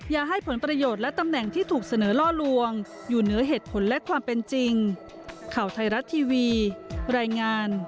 อย่าให้ผลประโยชน์และตำแหน่งที่ถูกเสนอล่อลวงอยู่เหนือเหตุผลและความเป็นจริง